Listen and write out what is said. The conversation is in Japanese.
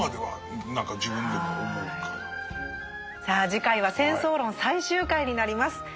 さあ次回は「戦争論」最終回になります。